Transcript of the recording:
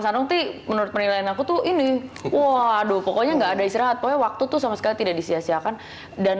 sanung tuh menurut penilaian aku tuh ini waduh pokoknya nggak ada istirahat pokoknya waktu tuh sama sekali tidak disiasiakan dan